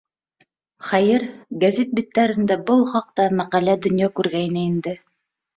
Хәйер, гәзит биттәрендә был хаҡта мәҡәлә донъя күргәйне инде.